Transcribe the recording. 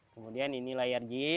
kemudian ini layar jeep